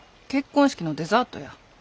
結婚式のデザートや。